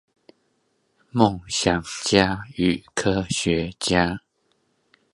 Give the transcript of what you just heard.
思想家與科學家